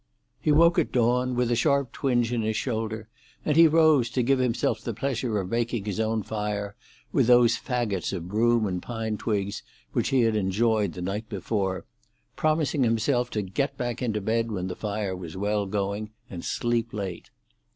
He woke at dawn with a sharp twinge in his shoulder, and he rose to give himself the pleasure of making his own fire with those fagots of broom and pine twigs which he had enjoyed the night before, promising himself to get back into bed when the fire was well going, and sleep late.